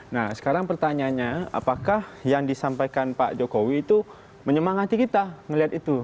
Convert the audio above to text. nah sekarang pertanyaannya apakah yang disampaikan pak jokowi itu menyemangati kita melihat itu